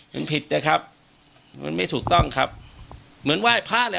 มันผิดนะครับมันไม่ถูกต้องครับเหมือนไหว้พระแหละ